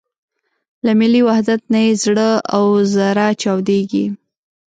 له ملي وحدت نه یې زړه او زره چاودېږي.